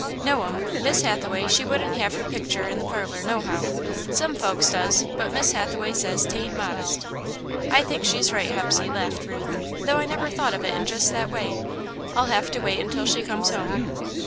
"No'm. Miss Hathaway, she wouldn't have her picter in the parlour, nohow. Some folks does, but Miss Hathaway says't'aint modest." "I think she's right, Hepsey," laughed Ruth, "though I never thought of it in just that way. I'll have to wait until she comes home."